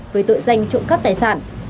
với tội danh trộm cắp tài sản